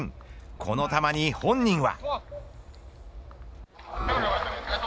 この球に本人は。